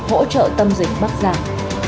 hỗ trợ tâm dịch bắt giam